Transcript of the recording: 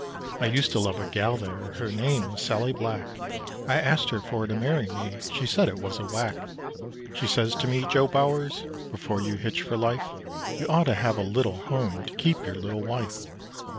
I used to love a gal there, Her name was Sallie Black, I asked her for to marry me, She said it was a whack. She says to me, "Joe Bowers, Before you hitch for life, You ought to have a little home To keep your little wife."